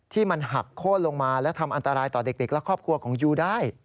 ที่มันหักโค้นลงมาและทำอันตรายต่อเด็กและครอบครัวของยูได้